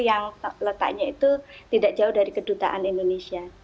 yang letaknya itu tidak jauh dari kedutaan indonesia